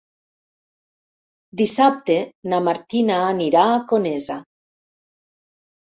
Dissabte na Martina anirà a Conesa.